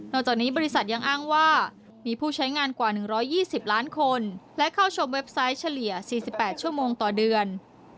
จากนี้บริษัทยังอ้างว่ามีผู้ใช้งานกว่า๑๒๐ล้านคนและเข้าชมเว็บไซต์เฉลี่ย๔๘ชั่วโมงต่อเดือน